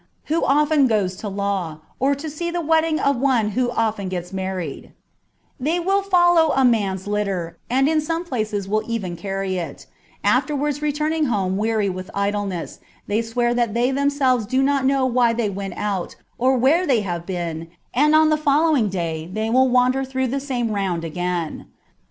who often goes to law, or to see the wedding of one who often gets married : they will follow a man's litter, and in some places will even carry it : afterwards returning home weary with idleness, they swear that they themselves do not know why they went out, or where they have been, and on the following day they will wander through the same round again.